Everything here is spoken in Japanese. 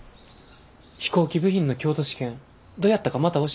飛行機部品の強度試験どやったかまた教えてな。